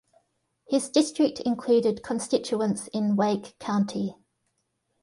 His district included constituents in Wake County.